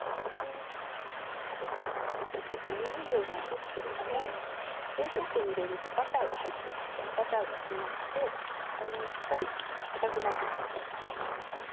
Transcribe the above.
ちょっと緩いようなんですけれども冷蔵庫に入れるとバターが入ってますからバターが締まってしっかりかたくなってきますから。